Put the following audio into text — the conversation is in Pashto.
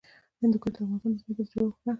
هندوکش د افغانستان د ځمکې د جوړښت نښه ده.